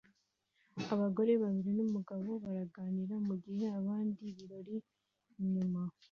Abagore babiri numugabo baraganira mugihe abandi ibirori inyuma